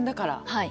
はい。